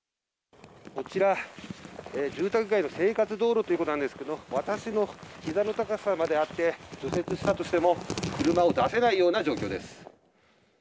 こちら、住宅街の生活道路なんですが私のひざの高さまであって除雪したとしても車を出せないような状況です。